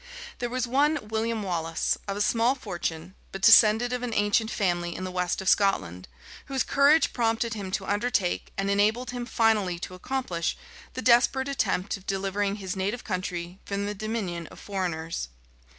There was one William Wallace, of a small fortune, but descended of an ancient family in the west of Scotland, whose courage prompted him to undertake, and enabled him finally to accomplish, the desperate attempt of delivering his native country from the dominion of foreigners.